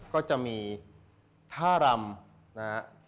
ก็จะมีท่ารำนะครับ